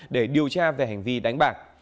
để điều tra về hành vi đánh bạc